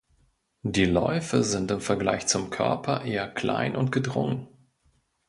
Die Läufe sind im Vergleich zum Körper eher klein und gedrungen.